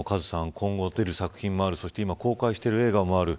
今後出る作品もある公開している映画もある。